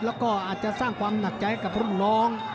แล้วก็อาจจะสร้างความหนักใจให้กับรุ่นน้อง